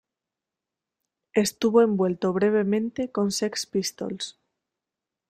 Estuvo envuelto brevemente con Sex Pistols.